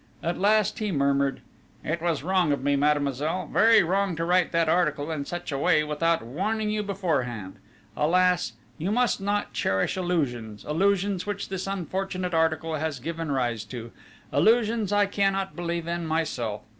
At last he murmured: "It was wrong of me, mademoiselle, very wrong to write that article in such a way without warning you beforehand. Alas! You must not cherish illusions, illusions which this unfortunate article has given rise to, illusions I cannot believe in myself.